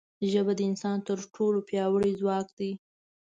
ژبه د انسان تر ټولو پیاوړی ځواک دی